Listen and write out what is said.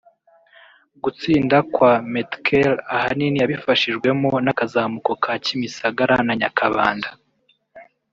Gutsinda kwa Metkel ahanini yabifashijwemo n’akazamuko ka Kimisagara na Nyakabanda